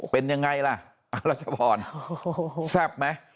เป็นยังไงล่ะอรัชพรโอ้โหแซ่บไหม